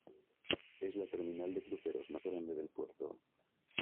Es la terminal de cruceros más grande del puerto.